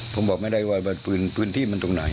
ผมไม่ได้บอกว่าพื้นที่ตรงไหน